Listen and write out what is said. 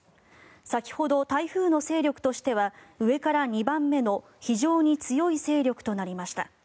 先ほど、台風の勢力としては上から２番目の非常に強い勢力となりました。